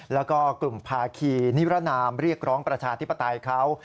แล้วก็กลุ่มภาคีนิรนามเรียกร้องประชาธิปไตยเขา